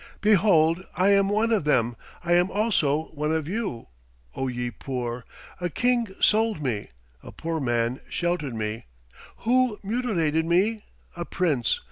Behold! I am one of them; but I am also one of you, O ye poor! A king sold me. A poor man sheltered me. Who mutilated me? A prince.